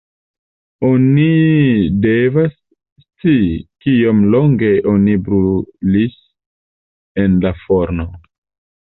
Oni devas scii, kiom longe oni brulis en la forno“.